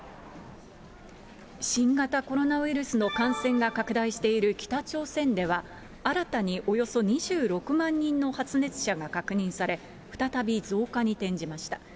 新型コロナウイルスの感染が拡大している北朝鮮では、新たに、およそ２６万人の発熱者が確認され、再び増加に転じました。